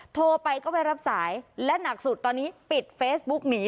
โทรไปก็ไม่รับสายและหนักสุดตอนนี้ปิดเฟซบุ๊กหนี